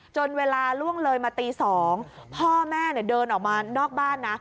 เวลาล่วงเลยมาตี๒พ่อแม่เดินออกมานอกบ้านนะ